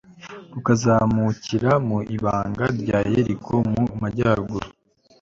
rukazamukira mu ibanga rya yeriko mu majyaruguru